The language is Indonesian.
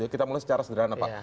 kita mulai secara sederhana pak